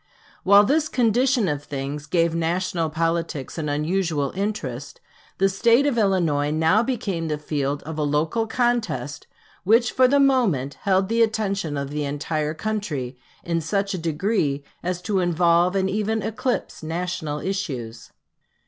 While this condition of things gave national politics an unusual interest, the State of Illinois now became the field of a local contest which for the moment held the attention of the entire country in such a degree as to involve and even eclipse national issues.